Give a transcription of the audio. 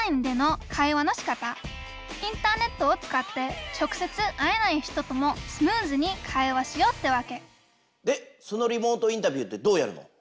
インターネットを使って直接会えない人ともスムーズに会話しようってわけでそのリモートインタビューってどうやるの？